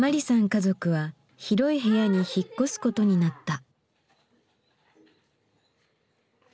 家族は広い部屋に引っ越すことになった。